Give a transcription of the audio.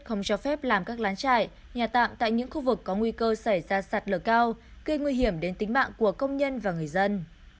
không cho phép làm các lán trại nhà tạm tại những khu vực có nguy cơ xảy ra sạt lở cao gây nguy hiểm đến tính mạng của công nhân và người dân